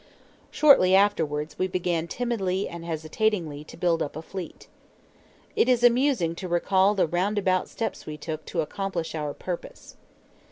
Shortly afterwards we began timidly and hesitatingly to build up a fleet. It is amusing to recall the roundabout steps we took to accomplish our purpose.